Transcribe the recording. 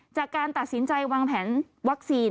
จากการตัดสินใจวางแผนวัคซีน